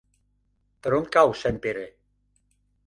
Per on cau Sempere?